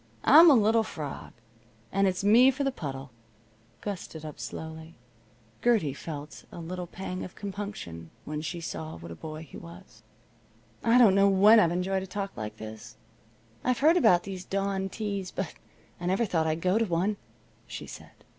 I'm a little frog, and it's me for the puddle." Gus stood up slowly. Gertie felt a little pang of compunction when she saw what a boy he was. "I don't know when I've enjoyed a talk like this. I've heard about these dawn teas, but I never thought I'd go to one," she said.